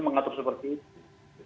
mengatur seperti itu